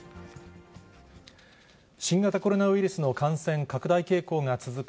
新型コロナウイルスの感染拡大傾向が続く